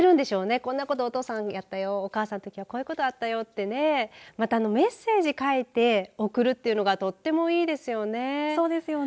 こんなこと、お父さんやったよお母さんはこういうときがあったよとかまたメッセージ書いて贈るというのが、とてもいいですよね。